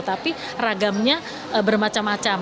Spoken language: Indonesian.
tapi ragamnya bermacam macam